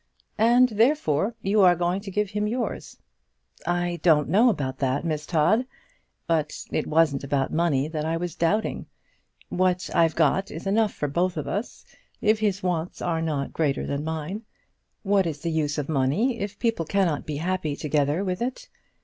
"And therefore you are going to give him yours." "I don't know about that, Miss Todd; but it wasn't about money that I was doubting. What I've got is enough for both of us, if his wants are not greater than mine. What is the use of money if people cannot be happy together with it?